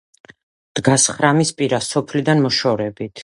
დგას ხრამის პირას, სოფლიდან მოშორებით.